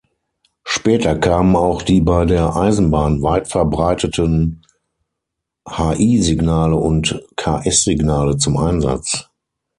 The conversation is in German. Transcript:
Später kamen auch die bei der Eisenbahn weit verbreiteten Hl-Signale und Ks-Signale zum Einsatz.